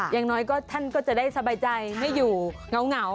อย่างน้อยก็ท่านก็จะได้สบายใจไม่อยู่เหงา